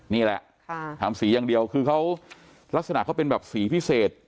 นี่แหละทำสีอย่างเดียวคือเขาลักษณะเขาเป็นแบบสีพิเศษ